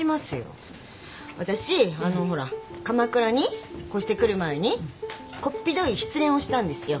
鎌倉に越してくる前にこっぴどい失恋をしたんですよ。